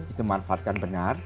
itu manfaatkan benar